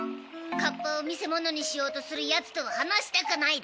カッパを見せ物にしようとするやつとは話したくないだ。